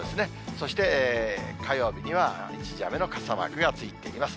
そして、火曜日には一時雨の傘マークがついています。